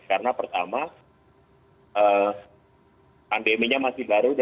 karena pertama pandeminya masih baru